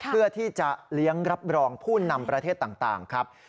เพื่อที่จะเลี้ยงรับรองผู้นำประเทศต่างครับ